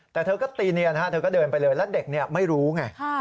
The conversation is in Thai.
แต่เธอก็ตีเนียนเธอก็เดินไปเลยแล้วเด็กไม่รู้ไง